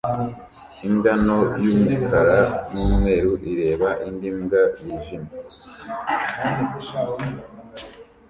Imbwa nto y'umukara n'umweru ireba indi mbwa yijimye